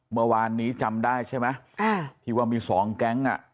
เมื่อวานนี้จำได้ใช่ไหมที่ว่ามีสองแก๊งอ่ะ